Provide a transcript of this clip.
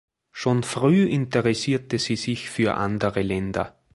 Schon früh interessierte sie sich für andere Länder.